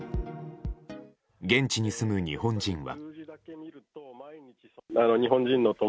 現地に住む日本人は。